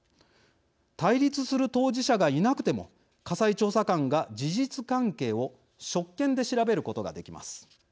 対立する当事者がいなくても家裁調査官が事実関係を職権で調べることもできます。